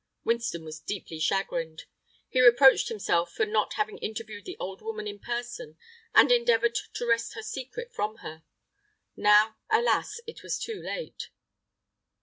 Winston was deeply chagrined. He reproached himself for not having interviewed the old woman in person and endeavored to wrest her secret from her. Now, alas, it was too late!